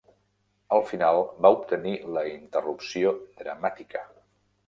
Al final va obtenir la interrupció dramàtica.